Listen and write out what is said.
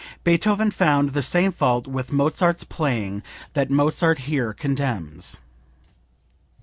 Beethoven found the same fault with Mozart's playing that Mozart here condemns.)